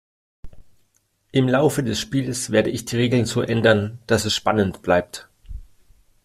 Im Laufe des Spiels werde ich die Regeln so ändern, dass es spannend bleibt.